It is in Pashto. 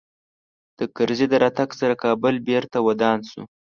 د کرزي د راتګ سره کابل بېرته ودان سو